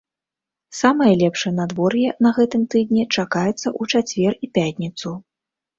Самае лепшае надвор'е на гэтым тыдні чакаецца ў чацвер і пятніцу.